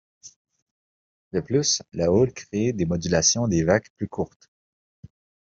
De plus la houle crée des modulations des vagues plus courtes.